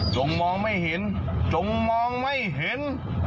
มองไม่เห็นจงมองไม่เห็น